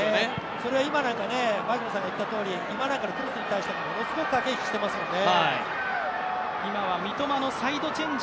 それは槙野さんが言ったとおり、今なんかのクロスに対してものすごく駆け引きしてますもんね。